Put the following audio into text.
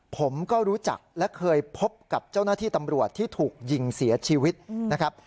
ผมก็รู้จักและเคยพบกับเจ้าหน้าที่ตำรวจที่ถูกยิงเสียชีวิตนะครับ